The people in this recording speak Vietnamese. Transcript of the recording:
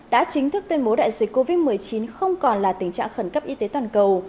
đã chính thức tuyên bố đại dịch covid một mươi chín không còn là tình trạng khẩn cấp y tế toàn cầu